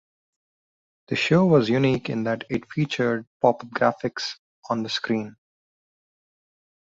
The show was unique in that it featured pop-up graphics on the screen.